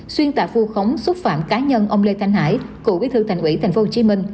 xuyên tạp vô khống xúc phạm cá nhân ông lê thanh hải cựu quý thư thành ủy tp hcm